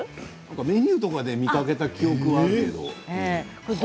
メニューとかで見かけた記憶はあるけれど。